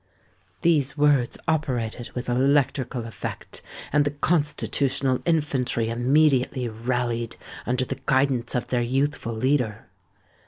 These words operated with electrical effect; and the Constitutional infantry immediately rallied under the guidance of their youthful leader.